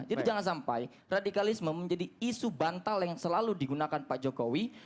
jadi jangan sampai radikalisme menjadi isu bantal yang selalu digunakan pak jokowi